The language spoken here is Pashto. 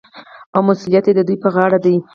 او مسوولیت یې د دوی په غاړه دی.